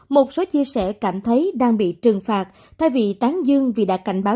một số chia sẻ cảm thấy đang bị trừng phạt thay vì tán dương vì đã cảnh báo